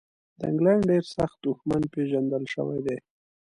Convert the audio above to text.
د انګلینډ ډېر سخت دښمن پېژندل شوی دی.